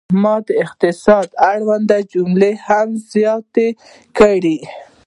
ما د اقتصاد اړوند جملې هم زیاتې کړې.